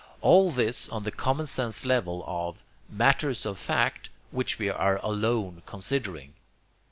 All this on the common sense level of, matters of fact, which we are alone considering.